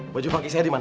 baju pake saya di mana